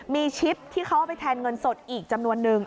มีชิปที่เขาเอาไปแทนเงินสดอีกจำนวนนึง